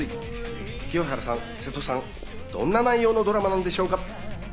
清原さん、瀬戸さん、どんな内容のドラマなんでしょうか？